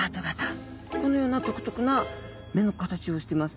このような独特な目の形をしてます。